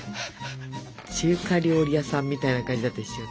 中華料理屋さんみたいな感じだったでしょ。